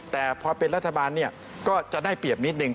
แต่พอเป็นรัฐบาลก็จะได้เปรียบนิดหนึ่ง